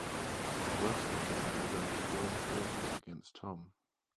Russell and I were going to join forces against Tom.